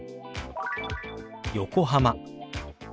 「横浜」。